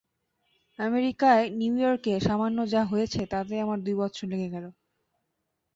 আমেরিকায় নিউ ইয়র্কে সামান্য যা হয়েছে তাতেই আমার দুই বৎসর লেগে গেল।